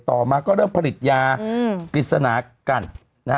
ต่อมาก็เริ่มผลิตยากฤษณากันนะฮะ